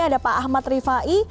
ada pak ahmad rifai